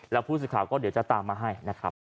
แล้วผู้สื่อข่าวก็เดี๋ยวจะตามมาให้นะครับ